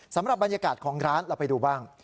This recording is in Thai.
สำหรับบรรยากาศของร้านเราไปดูบ้าง